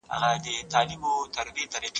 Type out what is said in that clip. چا توري، چا قلمونه او چا دواړه چلولي دي